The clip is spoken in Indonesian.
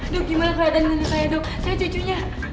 dok gimana keadaan nenek saya saya cucunya